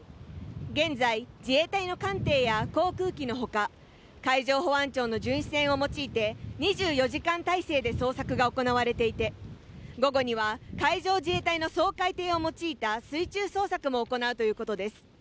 現在、自衛隊の艦艇や航空機の他、海上保安庁の巡視船を用いて２４時間態勢で捜索が行われていて、午後には海上自衛隊の掃海艇を用いた水中捜索も行うということです。